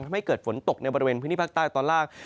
ทำให้เกิดฝนตกในบริเวณพื้นที่ภาคใต้ตอนล่าง